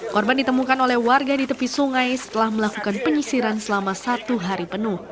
korban ditemukan oleh warga di tepi sungai setelah melakukan penyisiran selama satu hari penuh